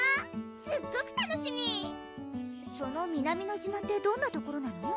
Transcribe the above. すっごく楽しみその南乃島ってどんな所なの？